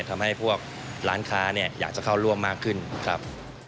ทำให้พวกร้านค้าเนี่ยอยากจะเข้าร่วมมากขึ้นครับ